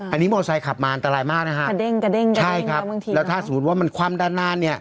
อันนี้มอเตอร์ไซค์ขับมาอันตรายมากนะครับใช่ครับแล้วถ้าสมมุติว่ามันคว่ำด้านหน้าเนี้ย